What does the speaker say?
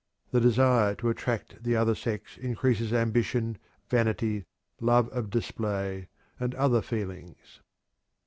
The desire to attract the other sex increases ambition, vanity, love of display, and other feelings.